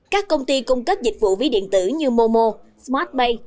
các công ty cung cấp dịch vụ ví điện tử như momo smartbak